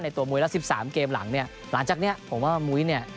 ในตัวมุยแล้ว๑๓เกมหลังแสดงว่ามุ้ยเนี่ย